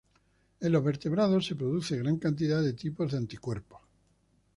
En los vertebrados se produce gran cantidad de tipos de anticuerpos.